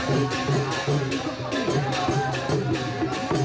โปรดติดตามตอนต่อไป